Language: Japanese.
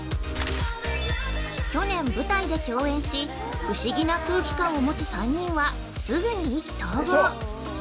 去年、舞台で共演し、不思議な空気感を持つ３人はすぐに意気投合。